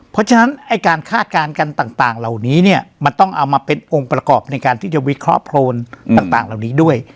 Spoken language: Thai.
เพราะฉะนั้นไอ้การคาดการณ์กันต่างเหล่านี้เนี่ยมันต้องเอามาเป็นองค์ประกอบในการที่จะวิเคราะห์โพรนต่างเหล่านี้ด้วย